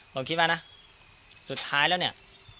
ผมคิดว่านะสุดท้ายแล้วเนี่ย